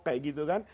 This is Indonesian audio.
kayak gitu kan